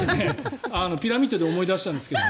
ピラミッドで思い出したんですけど。